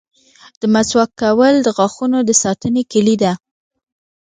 • د مسواک کول د غاښونو د ساتنې کلي ده.